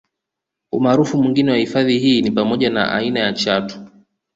Umaarufu mwingine wa hifadhi hii ni pamoja ya aina ya Chatu